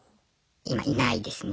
今いないですね。